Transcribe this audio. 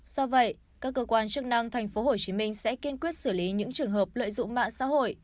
do vậy các cơ quan chức năng thành phố hồ chí minh sẽ kiên quyết xử lý những trường hợp lợi dụng mạng xã hội